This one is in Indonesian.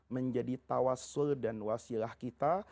menjadi tawasul dan wasilah kita